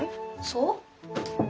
そう？